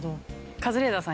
カズレーザーさん